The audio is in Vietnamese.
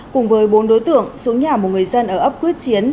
cùng với bốn đối tượng xuống nhà một người dân ở ấp quyết chiến